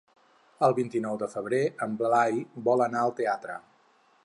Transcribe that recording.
El vint-i-nou de febrer en Blai vol anar al teatre.